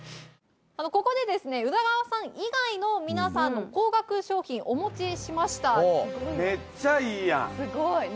ここで宇田川さん以外の皆さんの高額商品お持ちしました。